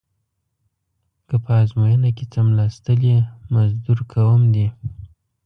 که په ازموینه کې څملاستلې مزدور کوم دې.